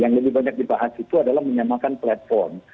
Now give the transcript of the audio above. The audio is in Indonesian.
yang lebih banyak dibahas itu adalah menyamakan platform